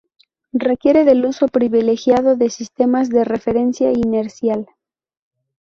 Requiere del uso privilegiado de sistemas de referencia inercial.